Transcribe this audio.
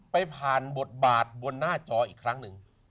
ไปผ่านบทบาทบนหน้าจออีกครั้งหนึ่ง